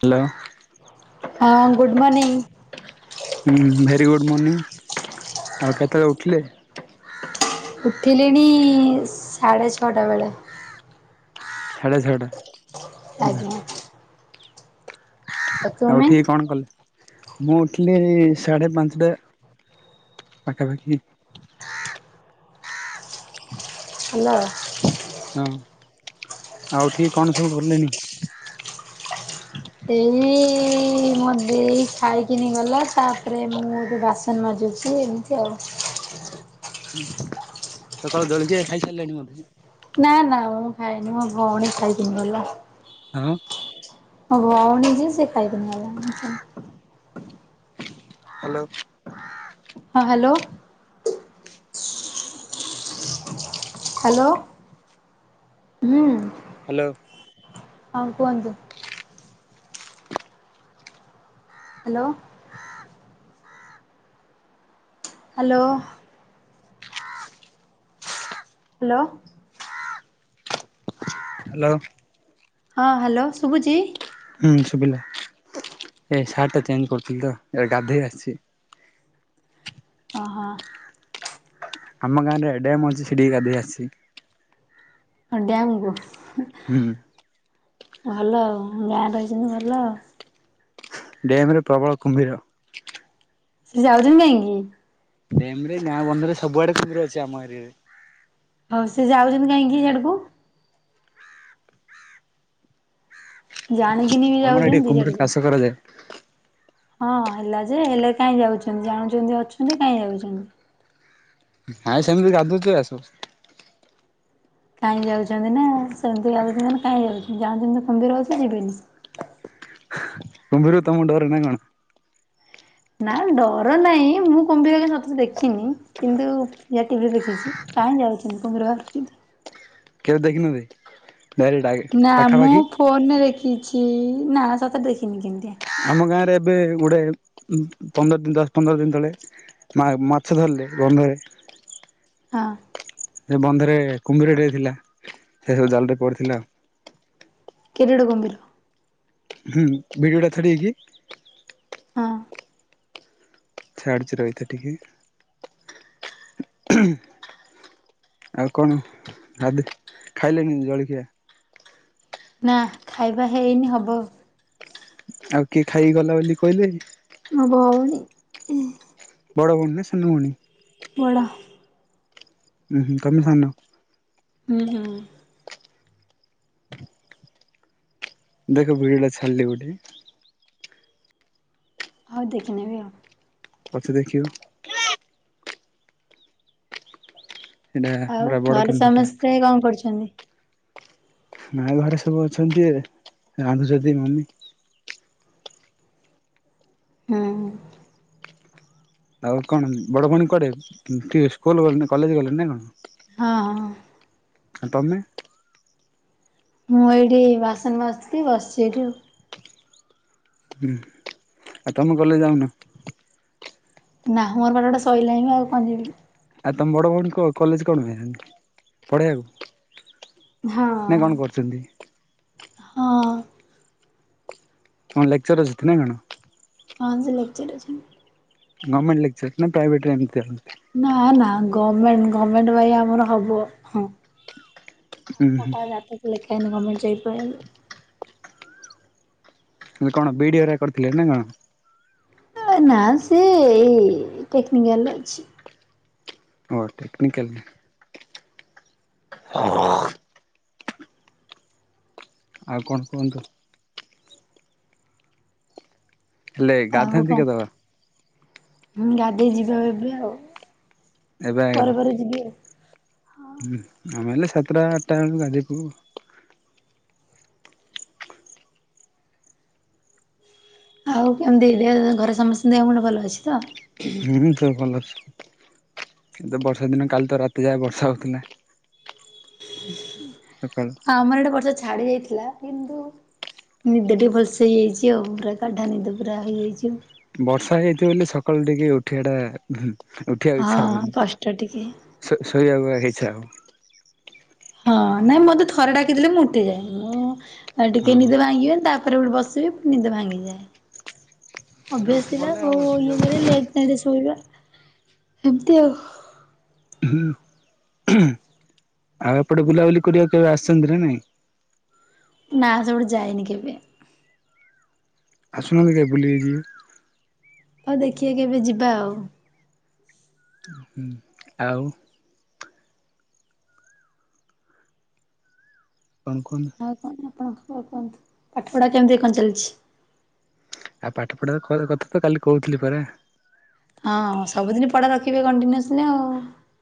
Hello. ହଁ, good morning ହଁ, very good morning, ଆଉ କେତେବେଳେ ଉଠିଲେ? ଉଠିଲିଣି ସାଢ଼େ ଛଅଟା ବେଳେ। ସାଢେ ଛଅଟା? ହୁଁ ଆଜ୍ଞା। ଆଉ ଉଠିକି କଣ କଲେ? ମୁଁ ଉଠିଲିଣି ସାଢେ ପାଞ୍ଚଟା ପାଖାପାଖି। ହାଲୋ। ହଁ, ଆଉ ଉଠିକି କଣ ସବୁ କଲେଣିି? ଏଇ ମୋ ଦେଇ ଖାଇକିନି ଗଲା, ତାପରେ ମୁଁ ଏଠି ବାସ ସନ ମାଜୁଛି ଏମିତି ଆଉ। ହୁଁ, ସକାଳୁ ଜଳିଖିଆ ଖାଇ ସାରିଲେଣି ବୋଧେ? ନା ନା ମୁଁ ଖାଇନି, ମୋ ଭଉଣୀ ଖାଇକିନି ଗଲା। ଆଁ ମୋ ଭଉଣୀ ଯିଏ ସେ ଖାଇକିନି ଗଲା, ମୁଁ ଖାଇ ହାଲୋ। ହଁ, ହାଲୋ ହାଲୋ, ହୁଁ ହାଲୋ ହଁ କୁହନ୍ତୁ? ହାଲୋ [unintelligible] ହାଲୋ ହାଲୋ ହାଲୋ ହଁ, ହାଲୋ ଶୁଭୁଛି? ହୁଁ, ଶୁଭିଲା, ଏ ସାର୍ଟ ଟା ଚେଞ୍ଜ କରୁଥିଲି ତ, ଏ ଗାଧୋଇ ଆସିଛି। ଅହ। ଆମ ଗାଁ ରେ ଡ୍ୟାମ ଅଛି, ସେଠିକି ଗାଧେଇ ଆସିଛି। ହଁ ଡ୍ୟାମ୍ କୁ? ହୁ ହୁଁ। ଭଲ ଆଉ, ଗାଁରେ ରହିଛନ୍ତି ଭଲ ଆ। ଡ୍ୟାମ୍ ରେ ପ୍ରବଳ କୁମ୍ଭୀର। ସେ ଯାଉଚନ୍ତି କାହିଁକି? ଡେମ୍ ରେ, ଗାଁ ବନ୍ଧରେ, ସବୁଆଡେ କୁମ୍ଭୀର ଅଛି, ଆମ ଏରିଆରେ। ହଉ ସେ ଯାଉଛନ୍ତି କାହିଁକି ହିଆଡକୁ? ଜାଣିକିନି କି ଆମର ଏଠି ଯାଉଚନ୍ତି କୁମ୍ଭୀର ଦିଆଡୁକୁ। ଚାଷ କରାଯାଏ। ହଁ ହେଲା ଯେ, ହେଲେ କାଇଁ ଯାଉଛନ୍ତି, ଜାଣୁଛନ୍ତି ଅଛନ୍ତି, କାଇଁ ଯାଉଛନ୍ତି? [unintelligible] ସେମିତି ଗାଧୁଛି ଆ। [unintelligible] କାହିଁ ଯାଉଛନ୍ତି ନା ସେମିତି ଯାଉଛି ମାନେ କାହିଁ ଯାଉଛନ୍ତି ଯାଣଛନ୍ତି ତ କୁମ୍ବୀର ଅଛି ଯିବେନି। କୁମ୍ଭିର ତମକୁ ଡରେ ନା କଣ? ନା ଡର ନାହିଁ ମୁଁ କୁମ୍ଭିର ସତରେ ଦେଖିନି। କିନ୍ତୁ ଟିଭିରେ ଦେଖିଛି କାହିଁ ଯାଉଛନ୍ତି କୁମ୍ଭୀର ଆସୁଚି। କେବେ ଦେଖିନାହାନ୍ତି ଡାଇରେକ୍ଟ ଆଗେ। ନା ମୁଁ ପାଖାପାଖି ଫୋନରେ ଦେଖିଛି ନା ସତରେ ଦେଖିନି କେମିତିଆ। ଆମ ଗାଁରେ ଏବେ ଗୁଡ଼େ ପନ୍ଦର ଦିନ ଦଶ ପନ୍ଦର ଦିନ ତଳେ। ମା ମାଛ ଧରଲେ ବନ୍ଧରେ। ହଁ। ସେ ବନ୍ଧରେ କୁମ୍ଭୀରଟିଏ ଥିଲା ସେ ସବୁ ଜାଲରେ ପଡ଼ିଥିଲା। କିରୀଡ଼ କୁମ୍ଭୀର। ହୁଁ ଭିଡିଓ ଟା ଛାଡି ବିକି? ହଁ। ଛାଡଚି ରହିଥା ଟିକେ। ଆଉ କଣଦ ଖାଇଲେଣିି ଜଳଖିଆ? ନା ଖାଇବା ହେଇନି ହବ। ଆଉ କିଏ ଖାଇକି ଗଲା ବୋଲି କହିଲେ। ମୋ ଭଉଣୀ। ବଡ଼ ଭଉଣୀ ନା ସାନ ଭଉଣୀ? ବଡ଼। ଉଁ ହୁଁ ତମେ ସାନ? ହୁଁ ହୁଁ। [inaudible] ଦେଖ ଭିଡିଓ ଟା ଛାଡିଲି ଗୋଟେ। ହ ଦେଖି ନେବି ଆଉ। ପଛେ ଦେଖିବୁ। ସେଇଟା ଆଉ ପୁରା ବଡ ଘରେ କୁମ୍ଭୀରଟା ସମସ୍ତେ କଁ କରୁଛନ୍ତି? ମା ଘରେ ସବୁ ଅଛନ୍ତି ରାନ୍ଧୁଛନ୍ତି ମମି। ହଁ। ଆଉ କଣ ବଡ ଭଉଣୀ କୁଆଡେ ଟିକେ ସ୍କୁଲ ଗଲେ କଲେଜ ଗଲେ ନା କଣ? ହଁ। ଆ ତମେ? ମୁଁ ଏଇଠି ବାସନ ମଜୁଥିଲି ବସିଛି ଏଇଠି ଆଉ। ହୁଁ ଆ ତମେ କଲେଜ ଯାଉନ? ନା ମୋର ପାରା ଶଇଲାଣି ଆଉ କଣଯିବି। ଆଉ ତମ ବଡ଼ ଭଉଣୀ କଲେଜ କଣ ହୁତି ପଢ଼େଇବାକୁ? ନା ହଁ। କଣ କରୁଛନ୍ତି? ହଁ କଣ ଲେକ୍ଚର ଅଛନ୍ତି ନା କଣ? ହଁ ସେ ଲେକ୍ଚର ଅଛି। ଗର୍ମେଣ୍ଟ ଲେକଚର ନା ପ୍ରାଇଭଟ ଏମତିଆ। ନା ନା ଗମେଣ୍ଟ ଗମେଣ୍ଟ ଭାଇ ଆମର ହବ। ହଁ। [unintelligible] ଜାତକ ଲେଖା ହେଇନି ଗମେଣ୍ଟଇ ଜବ ପାଇଁ। କଣ ବିଡିଓ ହେରା କରି ଥିଲେ ନା କଣ? ନା ସେ ଏଇ ଟେକ୍ନିକାଲ ରେ ଅଛି। ଅର୍ ଟେକ୍ନିକଲ। [unintelligible] ଆଉ କଣ କୁହନ୍ତୁ? ହେଲେ ଗାଧାନ୍ତି କେତେବେଳେ? ମୁ ଗାଧେଇ ଯିବା ଏବେ ଆଉ। ଏବେଁ ପରେ [unintelligible] ପରେ ଯିବି ଆଉ। ଆମେ ହେଲେ ସାତଟା ଆଠଟା ବେଳକୁ ଗାଧପୁ। ଆଉ କେମିତି ଦେ ଘରେ ସମସ୍ତଙ୍କୁ ଦେହ ମୁଣ୍ଡ ଭଲ ଅଛି ତ? ହୁଁ ଦେହ ଭଲଅଛି। କିନ୍ତ ବର୍ଷା ଦିନ କାଲି ତ ରାତି ଯାଏ ବର୍ଷା ହଉଥିଲା। ସକାଳୁ। ଆମର ଏଇଟେ ବର୍ଷା ଛାଡି ଯାଇଥିଲା କିନ୍ତୁ ନିଦ ଟିକେ ଭଲସେ ହେଇଯାଇଛି ଆଉ ପୁରା ଗାଢା ନିଦ ପୁରା ହେଇଯାଇଛି। ବର୍ଷା ହେଇଛି ବୋଲି ସକାଳୁ ଟିକେ ଉଠିବାଟା ଉଠିବାକୁ ଇଚ୍ଛା ହଁ ହଉନି। କଷ୍ଟ ଟିକେ ଶୋ-ଶୋଇବାକୁ ଆକା ଇଚ୍ଛା ହବ। ହଁ ନାଇଁ ମତେ ଥରେ ଡାକିଦେଲେ ମୁଁ ଉଠେ ଯାଏ। ମୁଁ ଆଉ ଟିକେ ହଁ। ନିଦେ ଭାଙ୍ଗିବ ତା ତାପରେ ବସିବି ନିଦ ଭାଙ୍ଗିଯାଏ। ଥରେ ଅଭ୍ୟାସ ଉଠି ଥିଲା ପଡ଼ିଲେ ଆଉ ଓଉ ଓଉ ଇଏ ଶୋଇବାକୁ କରି ଇଚ୍ଛା ଲେଟ ନାଇଟରେ ଶୋଇବା ଏମତି ଆଉ। ହୁଁ ଆଉ ଏପଟେ ବୁଲାବୁଲି କରିବାକୁ କେବେ ଆସିଛନ୍ତି ନା ନାଇଁ? ନା ସେପଟେ ଯାଇନି କେବେ। ଆସୁନାହାନ୍ତି କେବେ ବୁଲିକି ଯିବେ। ହଉ ଦେଖିବା କେବେ ଯିବା ଆଉ। [unintelligible] ଆଉ? କଣ କୁହନ୍ତୁ? [unintelligible] ପାଠ ପଢା କେମିତି କଣ ଚାଲିଛି? ଆଉ ପାଠ ପଢ଼ା [unintelligible] କଥା ତ କାଲି କହୁଥିଲି ପରା। ହଁ ସବୁଦିନ ପଢା ରଖିବେ କଣ୍ଟିନ୍ୟୁଅସଲି ଆଉ।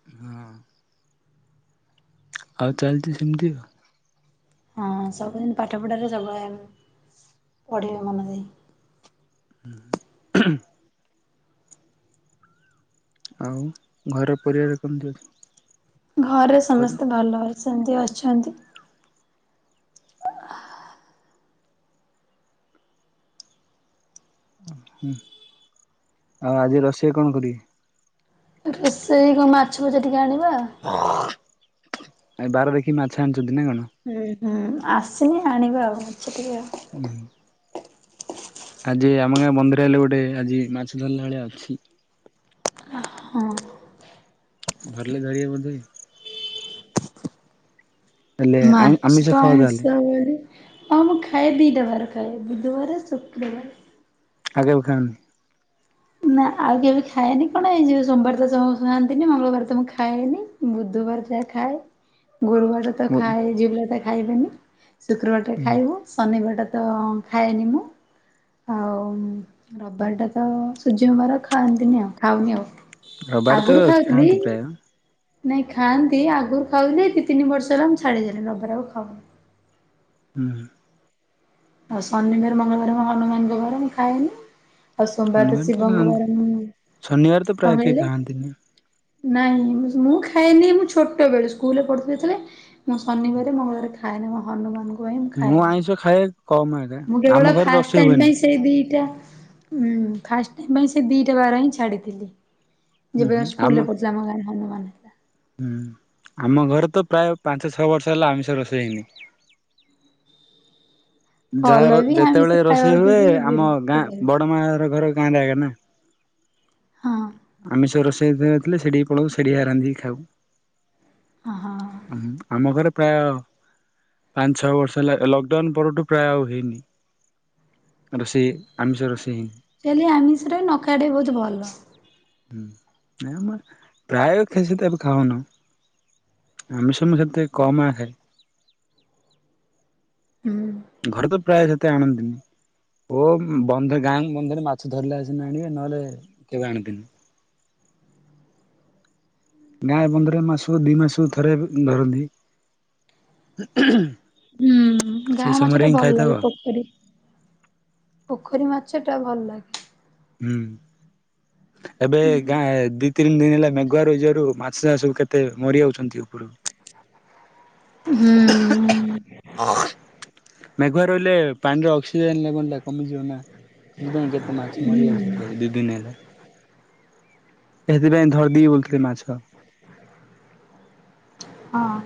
ହୁଁ। ଆଉ ଚାଲିଛି ସେମିତି। ହଁ ସବୁଦିନ ପାଠପଢ଼ାରେ ସବୁବେଳେ ପଢ଼ିବେ ମନ ଦେଇ। ଆଉ ଘରେ ପରିବାର କେମିତି ଅଛ? ଘରେ ସମସ୍ତେ ଭଲ ଅଛନ୍ତି ଅଛନ୍ତି। [inaudible] ଆଉ ଆଜି ରୋଷେଇ କଣ କରିବ? ରୋଷେଇ କଣ ମାଛ ଭଜା ଟିକେ ଆଣିବା [unintelligible] ଆଜି ବାର ଦେଖି ମାଛ ଆଣିଛନ୍ତି ନା କଣ? ହୁଁ ହୁଁ ଆସିନି ଆଣିବା ଆଉ ମାଛ ଟିକେ ଆଉ। [inaudible] ଆଜି ଆମ ଗାଁ ବନ୍ଧରେ ହେଲେ ଗୋଟେ ଆଜି ମାଛ ଧରିଲା ଭଳିଆ ଅଛି। ହଁ। ଧରିଲେ ଧରିବେ ବୋଧେ। ହେଲେ ଆମିଷ ମାଛ। ଖାଅ ତାହେଲେ [unintelligible] ହଁ ମୁଁ ଖାଏ ଦିଇଟା ବାର ଖାଏ ବୁଧବାର, ଶୁକ୍ରବାର। ଆଉ କେବେ ଖାଅନି? ନା ଆଉ କେବେ ଖାଏନି କଣ ଏଇ ଯିବ ସୋମବାର ତ [unintelligible] ମଙ୍ଗଳବାର ତ ମୁଁ ଖାଏନି। ବୁଧବାର ଯାହା ଖାଏ ଗୁରୁବାର ତ ଖାଏ ଝିଆପିଲା ତ ଖାଇବେନି ଶୁକ୍ରବାରଟା ଖାଇବୁ ଶନିବାରଟା ତ ଖାଏନି ମୁଁ ଆଉ ରବିବାରଟା ତ ସୂର୍ଯ୍ୟଙ୍କ ବାର ଖାଆନ୍ତିନି ଆଉ ଖାଉନି ଆଉ ରବିବାର ତ ଆଗରୁୁ ଖାଉଥିଲି। ଖାଆନ୍ତି ପ୍ରାୟ ନାଇଁ ଖାଆନ୍ତି ଆଗରୁ ଖାଉଥିଲି, ଦି ତିନି ବର୍ଷ ହେଲା ମୁଁ ଛାଡିଦାଲି ରବିବାର ଆଉ ଖାଉନି। ହୁଁ। ଆଉ ଶନିବାର, ମଙ୍ଗଳବାର ମୋ ହନୁମାନଙ୍କ ବାର ମୁଁ ଖାଏନି। ଆଉ ସୋମବାର ତ ଶନିବାର ଶିବଙ୍କ ଖାଆନ୍ତି ବାର ମୁଁ ଶନିବାର ତ ପ୍ରାୟ କଣ କେହି କହିଲେ? ଖାଆନ୍ତିନି ନାଇଁ ମୁଁ ଖାଏନି ମୁଁ ଛୋଟ ବେଳ ସ୍କୁଲରେ ପଢୁଥିଲି ଯେତେବେଳେ ମୁଁ ଶନିବାର, ମଙ୍ଗଳବାର ଖା ଖାଏନି ମୁଁ ହନୁମାନ ଙ୍କୁ ପାଇଁ ମୁଁ ଆଇଁଷ ଖାଏ କମ ହେଲେ ଆମ ଘରେ ରୋଷେଇ ହୁଏନି। ସେ ଦିଟା ଫାଷ୍ଟ ପାଇଁ ସେ ଦିଟା ବାର ହିଁ ଛାଡିଥିଲି। ହୁଁ ଯେବେ ହୁଁ ସ୍କୁଲରେ ପଢ଼ୁଥିଲା ଆମ ଗାଁରେ ହନୁମାନ। ଆମ ଘରେ ତ ପ୍ରାୟ ପାଞ୍ଚ ଛଅ ବର୍ଷ ହେଲା ଆମିଷ ରୋଷେଇ ହେଇନି। [inaudible] ଭଲ ଯାହାର ବି ଆମିଷ ଯେତେବେଳେ ରୋଷେଇ ଖାଇବାକୁ ହୁଏ ବି ଆମ ଗାଁ ବିରକ୍ତ ଲାଗୁଛି ବଡ ମା ର ଘର ଗାଁରେ ଆଗେ ନା। ହଁ, ହଁ। ଆମିଷ ରୋଷେଇରେ ଥିଲେ ସେଠି ପଳଉ ସେଠିଆ ରାନ୍ଧିକି ଖାଉ। ହଁ ହ ଆମ ଘରେ ପ୍ରାୟ ପାଞ୍ଚ, ଛଅ ବର୍ଷ ହେଲା ଏ ଲକ୍ଡାଉନ ପରଠୁ ପ୍ରାୟ ଆଉ ହେଇନି। ରୋଷେଇ ଆମିଷ ରୋଷେଇ। ଡେଲି ଆମିଷରେ ନଖାଇଆଟା ବହୁତ ଭଲ। ହୁଁ, ନ ପ୍ରାୟ ଖସି ତ ଏବେ ଖାଉନ [unintelligible] ଆମିଷ ମୁଁ ଯେତେ କମ୍ ଖାଏ ହୁଁ। ଘରେ ତ ପ୍ରାୟ ସେତେ ଆଣନ୍ତିନି। ଓ ବନ୍ଧ ଗାଁ ବନ୍ଧରେ ମାଛ ଧରିଲେ ଆସିନା ଆଣିବେ ନହେଲେ କେବେ ଆଣନ୍ତିନି। ଗାଁ ବନ୍ଦରେ ମାସ କୁ ଦି ମାସ କୁ ଥରେ ଧରନ୍ତି। ହୁଁ, ଗାଁ ସେଇ ମାଛ ସମୟରେ ଟା ହିଁ ଭଲ ଖାଇଥାଉ ଲାଗେ ଆଉ। ପୋଖରୀ ପୋଖରୀ ମାଛ ଟା ଭଲ ଲାଗେ। ହୁଁ। ଏବେ ଗାଁ ଦି ତିନି ଦିନ ହେଲା ମେଘୁଆ ରହିଯିବାରୁ ମାଛ ଚାଷ କେତେ ମରିଯାଉଚନ୍ତି ଉପରକୁ। [inaudible] ହୁଁ [inaudible] ମେଘୁଆ ରହିଲେ ପାଣିର ଅକ୍ସିଜେନ ଲେବନଟା କମିଯିବ ନା। ସେଥିପାଇଁ କେତେ ମାଛ ମରିିଯାଉଚନ୍ତି ରେ ଦି ଦିନ ହେଲା। ଏଥିପାଇଁ ଧରିଦିବି ବୋଲଥିଲେ ମାଛ। ହଁ।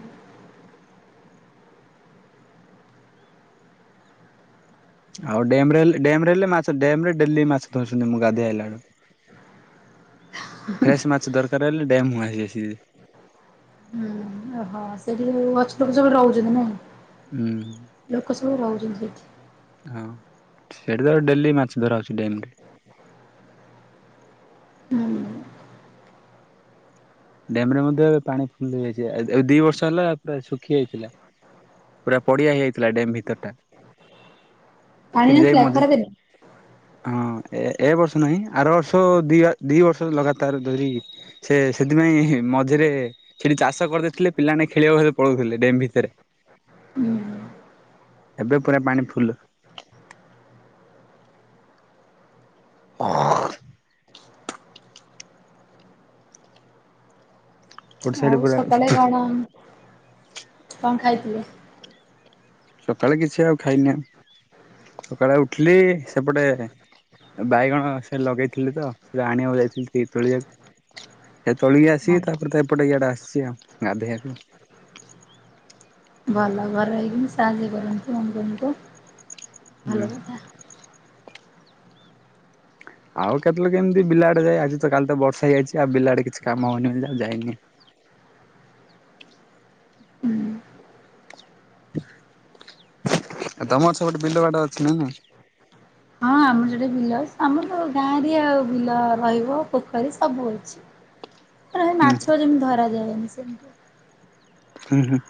ଆଉ ଡେମ୍ ରେ ଲେ ଡେମ୍ ରେ ଲେ ମାଛ ଡେମ୍ ରେ ଡେଲି ମାଛ୍ ଧରସନ୍ତି ମୁଁ ଗାଧଆଇଲା ବେୁଳୁ। ଫ୍ରେସ୍ ମାଛ ଦରକାର ହେଲେ ଡ୍ୟାମ୍ ହୁଆଁସି ଆସି। ହୁଁ। ଓହୋ ସେଠି ଅଛି ଲୋକ ସବୁ ରହୁଚନ୍ତି ହୁଁ ନାଇଁ ଲୋକ ସବୁ ରହୁଚନ୍ତି ସେଠି। ଆଉ ସେଠି ତାର ଡେଲି ମାଛ ଧରାହଉଛି ଡେମ୍ ରେ। ହୁଁ ଡେମ୍ ରେ ମଧ୍ୟ ଏବେ ପାଣି ଫୁଲ ହେଇଯାଇଚି। ଆ ଏବେ ଦି ବର୍ଷ ହେଲା ପୁରା ଶୁଖି ଯାଇଥିଲା। ପୁରା ପଡିଆ ହେଇଯାଇଥିଲା ଡ୍ୟାମ୍ ଭିତର ଟା। ପାଣି ସେଠି ଯାଇ ନଥିଲା ମଝି ଖରାଦିନେ ହଁ ଏ ଏ ବର୍ଷ ନାହିଁ ଆର ବର୍ଷ ଦି ଦି ବର୍ଷ ଲଗାତାର ଧରିି ସେ ସେଥିପାଇଁ ମଝିରେ ସେଠି ଚାଷ କରିଦେଇଥିଲେ ପିଲାମାନେେ ଖେଳିବାକୁ ଭରେ ପଳଉଥିଲେ ଡେମ୍ ଭିତରେ। ହୁଁ ଏବେ ପୁରା ପାଣି ଫୁଲ୍। [unintelligible] ଗୋଟେ ସାଇଡ ଆଉ ପୁରା ସକାଳେ କଣ କଂ ଖାଇଥିଲେ? ସକାଳେ କିଛି ଆଉ ଖାଇନେ। ସକାଳେ ଉଠିଲି ସେପଟେ ବାଇଗଣ ସେ ଲଗେଇଥିଲେ ତ ସେଟା ଆଣିବାକୁ ଯାଇଥିଲି ଟିକେ ତୋଳିଆକୁ। ସେ ତୋଳିକି ଆସିକି ତାପରେ ତ ଏପଟେ ଇଆଡେ ଆସିଚି ଆଉ। ଗାଧେଇଆକୁ। ଭଲ ଘରେ ରହିକିନି ସାହାଯ୍ୟ କରନ୍ତୁ। ଅଙ୍ଗନ୍ ଙ୍କୁ ହୁଁ। ଭଲ କଥା। ଆଉ କେତେଲେ କେମିତି ବିଲାଡେ ଯାଇ ଆଜି ତ କାଲି ତ ବର୍ଷା ହେଇଯାଇଚି। ଆଉ ବିଲାଡେ କିଛି କାମ ହଉନି ଯେ ଆଉ ଯାଇନି। ତମର ସେ ପଟେ ବିଲ ବାଡ ଅଛି ନା ନାଇଁ? ହଁ ଆମର ଯୋଉଠି ବିଲ ଆମର ଗାଁ ଏରିଆ ଆଉ ବିଲ ରହିବ ପୋଖରୀ ସବୁ ଅଛି। ଆଁ ହେ ହୁଁ ମାଛ ଯେମିତି ଧରା ଯାଏନି ସେମତି। ହୁଁ ହୁଁ।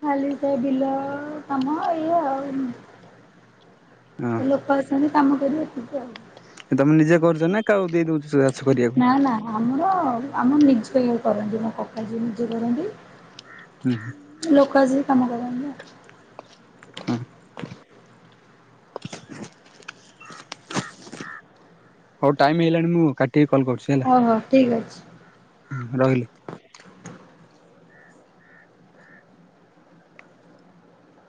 ଖାଲି ସେ ବିଲ କାମ ଏୟା ଆଉ। ଲୋକ ଅଛନ୍ତି କାମ କରିବ ଏତିକି ଆଉ। ଏ ତମେ ନିଜେ କରୁଚ ନା କାହାକୁ ଦେଇଦଉଚ? ନା ନା ଆମର ଆମ ନିଜ ଇଏ କରନ୍ତି। ମୋ କକା ଯିଏ ନିଜେ କରନ୍ତି। ହୁଁ। ଲୋକ ଅସିକି କାମ କରନ୍ତି। ହୁଁ ହଉ ଟାଇମ ହେଇଲାଣି ମୁଁ କାଟିକି କଲ୍ କରୁଚି। ଓହୋ ଠିକ୍ ଅଛି। ହଁ ରହିଲି।